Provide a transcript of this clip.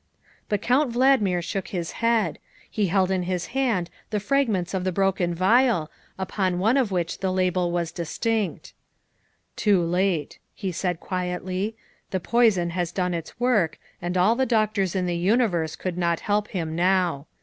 '' But Count Valdmir shook his head. He held in his hand the fragments of the broken vial, upon one of which the label was distinct. m 1 Too late," he said quietly, " the poison has done its work and all the doctors in the universe could not help him now.